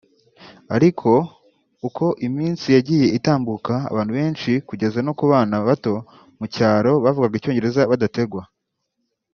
Ariko uko iminsi yagiye itambuka abantu benshi kugeza no ku bana bato mu cyaro bavuga Icyongereza badategwa